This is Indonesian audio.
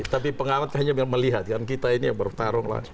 tapi pengawat hanya melihat kan kita ini yang bertarung lah